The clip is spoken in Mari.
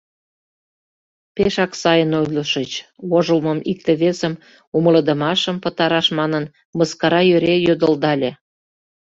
— Пешак сайын ойлышыч, — вожылмым, икте-весым умылыдымашым пытараш манын, мыскара йӧре йодылдале.